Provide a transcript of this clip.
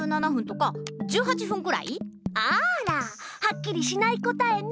あらはっきりしない答えね。